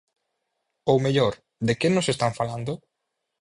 Ou mellor, ¿de que nos están falando?